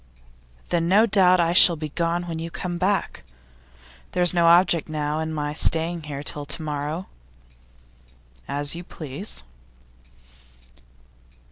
'Then no doubt I shall be gone when you come back. There's no object, now, in my staying here till to morrow.' 'As you please.